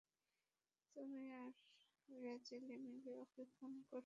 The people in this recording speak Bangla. তুমি আর রোজ্যালি মিলে ওকে খুন করেছ?